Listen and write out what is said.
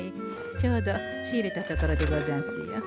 ちょうど仕入れたところでござんすよ。